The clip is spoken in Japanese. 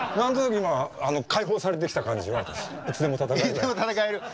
いつでも戦えるわ。